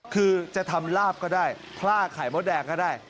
คือจะทำลาบก็ได้พล่าไข่มดแดงก็ได้